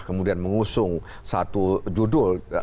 kemudian mengusung satu judul